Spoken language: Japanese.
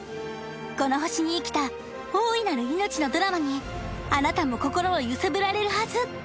この星に生きた大いなる命のドラマにあなたも心を揺すぶられるはず